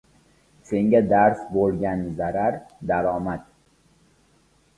• Senga dars bo‘lgan zarar — daromad.